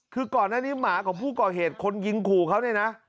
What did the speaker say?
คือก่อนหน้านี้หมาของผู้ก่อเหตุคนยิงขู่เขาเนี่ยนะ